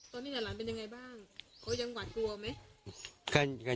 ตอนนี้หลานเป็นยังไงบ้างเขายังหวาดกลัวไหม